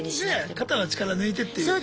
肩の力抜いてっていう。